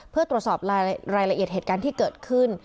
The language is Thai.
เพื่อตรวจสอบรายละเอียดเหตุการณ์ที่เกิดขึ้น